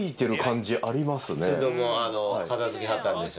ちょっともう片付けはったんですよね。